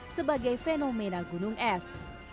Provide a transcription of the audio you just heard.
sebagai fenomena gunung es